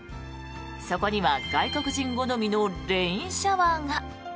そこには外国人好みのレインシャワーが。